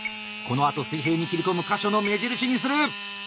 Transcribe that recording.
このあと水平に切り込む箇所の目印にする！